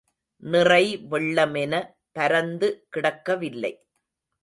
நிறை வெள்ளமென பரந்து கிடக்கவில்லை.